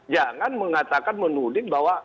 jangan mengatakan menulis bahwa